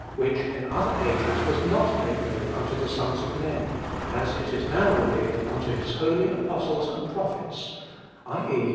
which in other ages was not made known unto the sons of men, as it is now revealed unto his holy apostles and prophets (i. e.